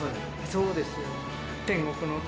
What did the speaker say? そうですよ。